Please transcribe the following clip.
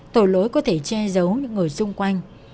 tội lỗi có thể che giấu những người xung quanh